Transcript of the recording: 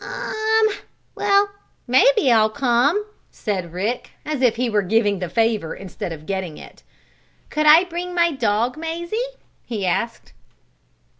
"Um! Well, maybe I'll come," said Rick, as if he were giving the favor, instead of getting it. "Could I bring my dog, Mazie?" he asked.